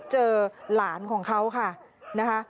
เจอหลานของเขาค่ะนะคะ